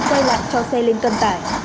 xoay lại cho xe lên cân tải